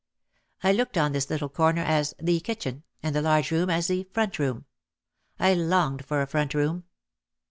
I looked on this little corner as "the kitchen" and the large room as the "front room." I longed for a front room!